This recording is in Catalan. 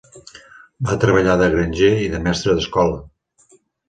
Va treballar de granger i de mestre d'escola.